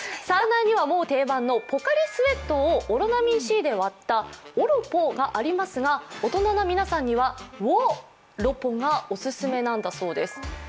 サウナーにはもう定番のポカリスエットをオロナミンＣで割ったオロポがありますが、大人な皆さんにはウォロポがオススメなんだそうです。